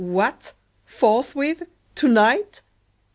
What! forthwith? tonight?